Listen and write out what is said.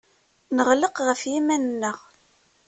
Neɣleq ɣef yiman-nneɣ.